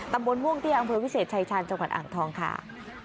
ตำบลม่วงเตี้ยอำเภอวิเศษชายชาญจังหวัดอ่างทองค่ะ